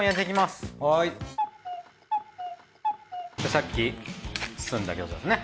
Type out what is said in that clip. さっき包んだ餃子ですね。